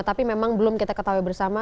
tapi memang belum kita ketahui bersama